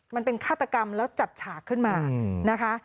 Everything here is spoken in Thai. มันเป็นฆาตกรรมแล้วจัดฉากขึ้นมานะคะ